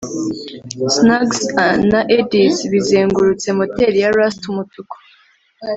snags na eddies bizengurutse moteri ya rust-umutuku